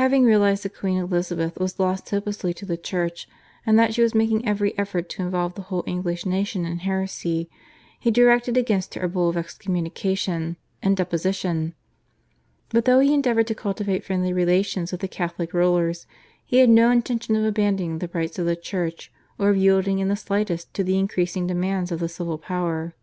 Having realised that Queen Elizabeth was lost hopelessly to the Church and that she was making every effort to involve the whole English nation in heresy, he directed against her a Bull of excommunication and deposition. But though he endeavoured to cultivate friendly relations with the Catholic rulers he had no intention of abandoning the rights of the Church or of yielding in the slightest to the increasing demands of the civil power.